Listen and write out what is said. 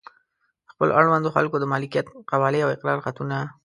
د خپلو اړونده خلکو د مالکیت قبالې او اقرار خطونه.